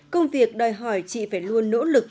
công việc đòi hỏi chị phải luôn nỗ lực